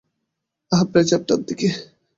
আহ, প্রায় চারটার দিকে।